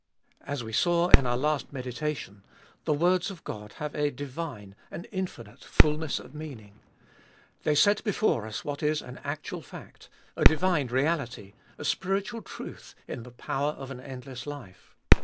As we saw in our last meditation, the words of God have a divine, an infinite fulness of meaning. They set before us what is an actual fact, a divine reality, a spiritual truth in the power of the endless life.